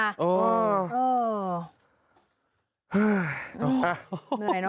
เซอเหนื่อยนะ